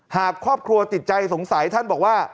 หากครอบครัวติดใจสงสัยท่านบอกว่า